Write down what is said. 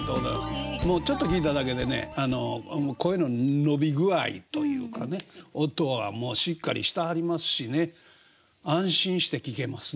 もうちょっと聴いただけでね声の伸び具合というかね音はしっかりしてはりますしね安心して聴けますな。